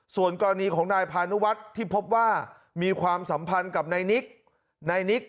ส่วนกรณีของนายพานุวัฒน์ที่พบว่ามีความสัมพันธ์กับนายนิกนายนิก